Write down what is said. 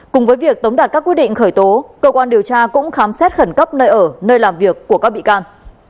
cùng với việc tống đạt các quyết định khởi tố cơ quan điều tra cũng khám xét khẩn cấp nơi ở nơi làm việc của các bị can